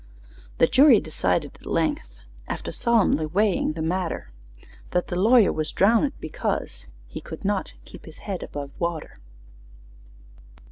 The jury decided at length, After solemnly weighing the matter, That the lawyer was drown_d_ed, because He could not keep his head above water!